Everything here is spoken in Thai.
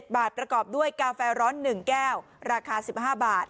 บาทประกอบด้วยกาแฟร้อน๑แก้วราคา๑๕บาท